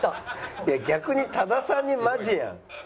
いや逆に多田さんにマジやん。